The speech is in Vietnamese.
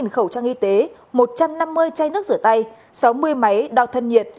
sáu khẩu trang y tế một trăm năm mươi chai nước rửa tay sáu mươi máy đo thân nhiệt